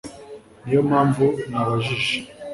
Niyo mpamvu nabajije